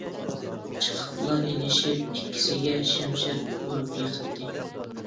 چىقىپلا ئېلىشىپ ئىككىسىگە شەمشەر ئۇرۇپ يىقىتتى.